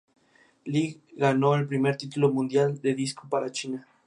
Li ganó el primer título mundial de disco para China.